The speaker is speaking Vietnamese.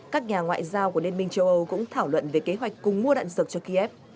các nhà ngoại giao của liên minh châu âu cũng thảo luận về kế hoạch cùng mua đạn dược cho kiev